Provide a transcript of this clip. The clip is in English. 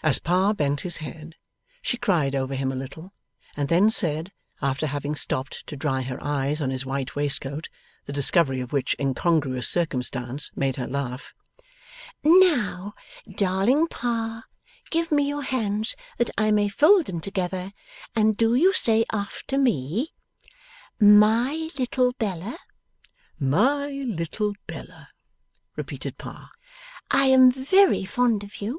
As Pa bent his head, she cried over him a little, and then said (after having stopped to dry her eyes on his white waistcoat, the discovery of which incongruous circumstance made her laugh): 'Now, darling Pa, give me your hands that I may fold them together, and do you say after me: My little Bella.' 'My little Bella,' repeated Pa. 'I am very fond of you.